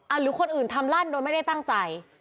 หรือคนอื่นทำลั่นโดยไม่ได้ตั้งใจ